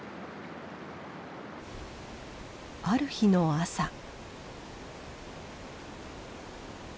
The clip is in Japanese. ある日の朝。